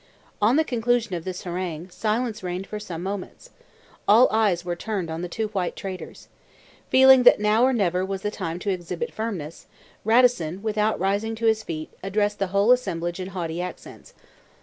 On the conclusion of this harangue, silence reigned for some moments. All eyes were turned on the two white traders. Feeling that now or never was the time to exhibit firmness, Radisson, without rising to his feet, addressed the whole assemblage in haughty accents.